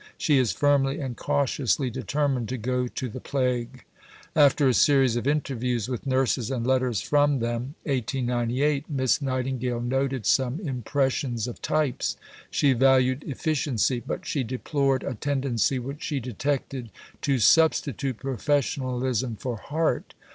She is firmly and cautiously determined to go to the Plague." After a series of interviews with nurses and letters from them (1898), Miss Nightingale noted some impressions of types. She valued efficiency, but she deplored a tendency which she detected to substitute professionalism for heart.